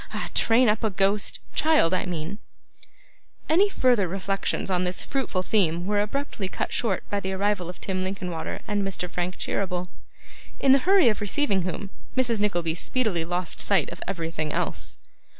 Ah! Train up a Ghost child, I mean ' Any further reflections on this fruitful theme were abruptly cut short by the arrival of Tim Linkinwater and Mr. Frank Cheeryble; in the hurry of receiving whom, Mrs. Nickleby speedily lost sight of everything else.